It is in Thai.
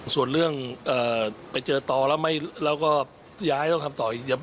ส่วนเรื่องไปเจอต่อแล้วแล้วก็ย้ายต้องทำต่ออีก